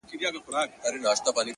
o اوس دا يم ځم له خپلي مېني څخه،